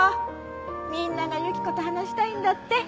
みんなが由希子と話したいんだって。